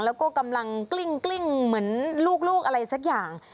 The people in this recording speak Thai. แล้วก็กำลังกลิ้งเหมือนลูกอะไรสักอย่าง